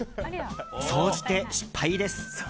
総じて失敗です。